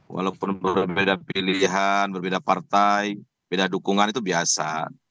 walaupun berbeda pilihan berbeda partai beda dukungan itu biasa